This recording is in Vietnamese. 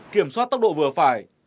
kiểm soát tốc độ vừa phải